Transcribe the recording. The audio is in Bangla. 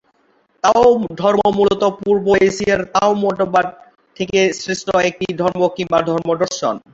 তাও ধর্ম মূলত পূর্ব এশিয়ার তাও মতবাদ থেকে সৃষ্ট একটি ধর্ম কিংবা ধর্ম-দর্শন।